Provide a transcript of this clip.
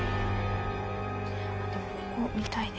でもここ見たいね。